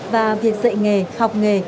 và việc dạy nghề học nghề